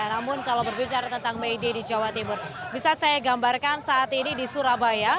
namun kalau berbicara tentang may day di jawa timur bisa saya gambarkan saat ini di surabaya